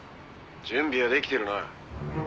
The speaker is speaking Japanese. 「準備は出来てるな？」